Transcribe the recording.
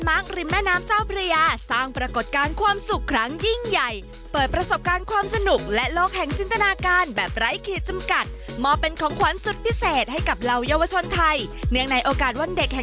บรรยากาศจะเป็นอย่างไรไปดูกันค่ะ